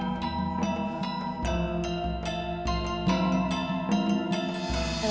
itu sudah lama